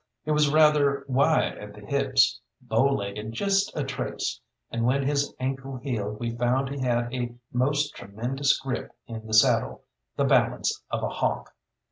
He was rather wide at the hips, bow legged just a trace, and when his ankle healed we found he had a most tremendous grip in the saddle, the balance of a hawk.